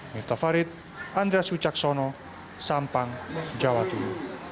mirta farid andres wicaksono sampang jawa tunggu